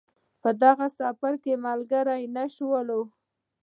دغه سفر کې ملګري نه شول.